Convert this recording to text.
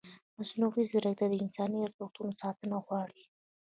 مصنوعي ځیرکتیا د انساني ارزښتونو ساتنه غواړي.